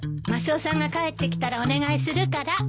マスオさんが帰ってきたらお願いするから。